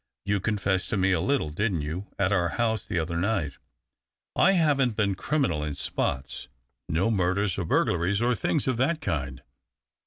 You confessed to me a little, didn't you, at our house the other night ? I haven't been criminal in spots — no murders THE OCTAVE OF CLAUDIUS. 227 or burglaries, or things of that kind.